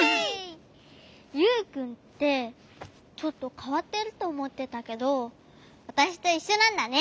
ユウくんってちょっとかわってるとおもってたけどわたしといっしょなんだね。